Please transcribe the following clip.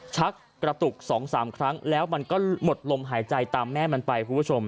ชักกระตุก๒๓ครั้งแล้วมันก็หมดลมหายใจตามแม่มันไป